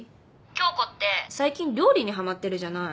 響子って最近料理にハマってるじゃない。